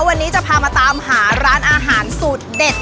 วันนี้จะพามาตามหาร้านอาหารสูตรเด็ด